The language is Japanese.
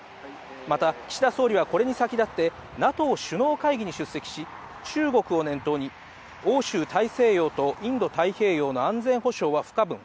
また、岸田総理はこれに先立って、ＮＡＴＯ首脳会議に出席し、中国を念頭に、欧州大西洋とインド太平洋の安全保障は不可分。